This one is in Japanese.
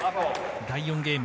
第４ゲーム